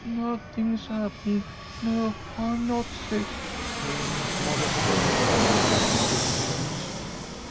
"Nothing's happened! No, I'm not sick," came in smothered tones from the depths of the pillows.